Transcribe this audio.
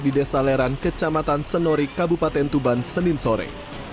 di desa leran kecamatan senori kabupaten tuban senin sore